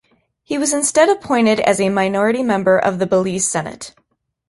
He was instead appointed as a minority member of the Belize Senate.